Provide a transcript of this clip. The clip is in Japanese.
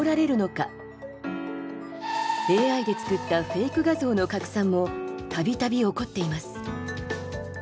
ＡＩで作ったフェイク画像の拡散もたびたび起こっています。